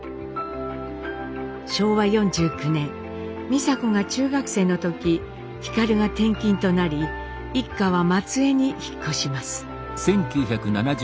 昭和４９年美佐子が中学生の時皓が転勤となり一家は松江に引っ越します。